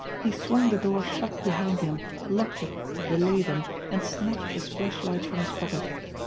He swung the door shut behind him, locked it to delay them, and snatched his flashlight from his pocket.